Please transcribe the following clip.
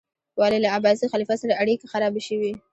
ولې له عباسي خلیفه سره اړیکې خرابې شوې؟